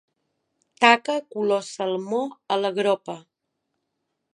Taca color salmó a la gropa.